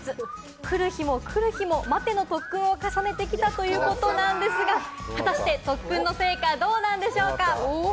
来る日も来る日も待ての特訓を重ねてきたということなんですが、果たして特訓の成果はどうなんでしょうか？